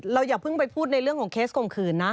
อย่าเพิ่งไปพูดในเรื่องของเคสข่มขืนนะ